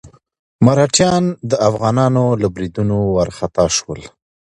مرهټیان د افغانانو له بريدونو وارخطا شول.